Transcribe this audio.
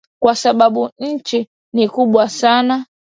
Kwa sababu nchi ni kubwa sana